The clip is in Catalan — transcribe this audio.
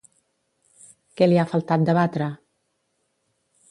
Què li ha faltat debatre?